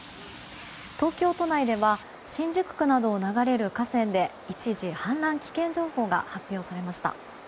東京都内では新宿区などを流れる河川で一時氾濫危険情報が発表されました。